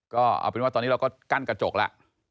ก็เอาเป็นว่าตอนนี้เราก็กั้นกระจกแล้ว